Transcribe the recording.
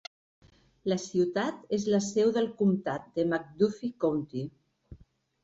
La ciutat és la seu del comtat de McDuffie County.